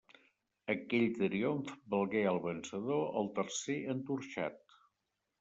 Aquell triomf valgué al vencedor el tercer entorxat.